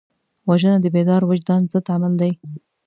وژنه د بیدار وجدان ضد عمل دی